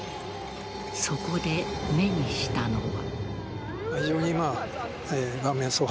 そこで目にしたのは。